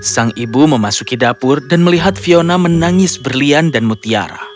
sang ibu memasuki dapur dan melihat fiona menangis berlian dan mutiara